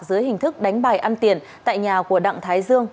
dưới hình thức đánh bài ăn tiền tại nhà của đặng thái dương